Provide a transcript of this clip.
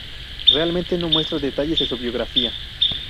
Realmente no muestra detalles de su biografía.